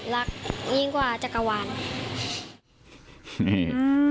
รักยิ่งกว่าจักรวาล